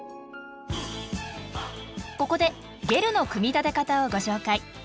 ここでゲルの組み立て方をご紹介。